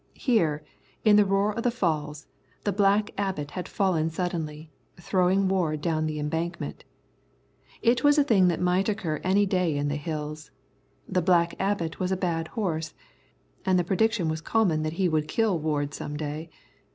Here, in the roar of the falls, the Black Abbot had fallen suddenly, throwing Ward down the embankment. It was a thing that might occur any day in the Hills. The Black Abbot was a bad horse, and the prediction was common that he would kill Ward some day.